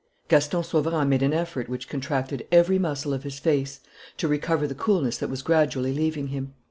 Gaston Sauverand made an effort which contracted every muscle of his face to recover the coolness that was gradually leaving him.